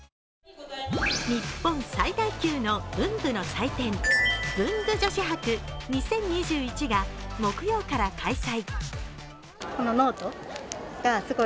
日本最大級の文具の祭典、文具女子博２０２１が木曜から開催。